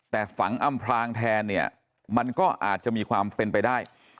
แต่ฝังอำพลางแทนเนี่ยมันก็อาจจะมีความเป็นไปได้